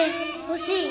欲しい。